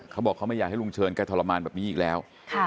เขาบอกเขาไม่อยากให้ลุงเชิญก็ทรมานแบบนี้อีกแล้ว